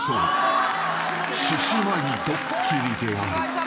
獅子舞ドッキリである］